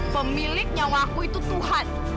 pemilik nyawa aku itu tuhan